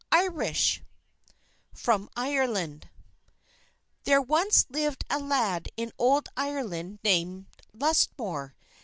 From Ireland There once lived a lad in old Ireland named Lusmore.